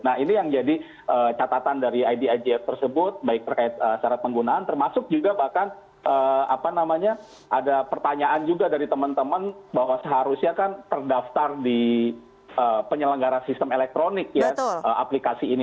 nah ini yang jadi catatan dari idijf tersebut baik terkait syarat penggunaan termasuk juga bahkan apa namanya ada pertanyaan juga dari teman teman bahwa seharusnya kan terdaftar di penyelenggara sistem elektronik ya aplikasi ini